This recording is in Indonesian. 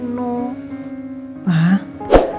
ini bubu daga sayaun taolah